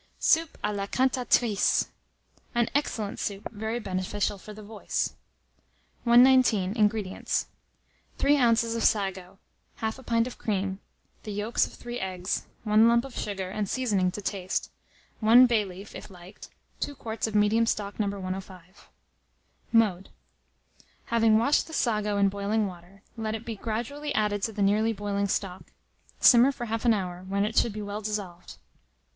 SOUP A LA CANTATRICE. (An Excellent Soup, very Beneficial for the Voice.) 119. INGREDIENTS. 3 oz. of sago, 1/2 pint of cream, the yolks of 3 eggs, 1 lump of sugar, and seasoning to taste, 1 bay leaf (if liked), 2 quarts of medium stock No. 105. Mode. Having washed the sago in boiling water, let it be gradually added to the nearly boiling stock. Simmer for 1/2 an hour, when it should be well dissolved.